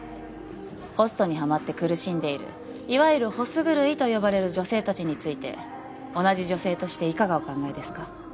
ホストにハマって苦しんでいるいわゆるホス狂いと呼ばれる女性たちについて同じ女性としていかがお考えですか？